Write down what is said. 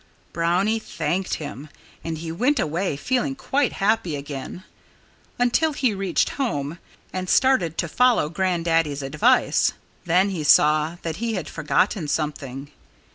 Brownie thanked him. And he went away feeling quite happy again until he reached home and started to follow Grandaddy's advice. Then he saw that he had forgotten something.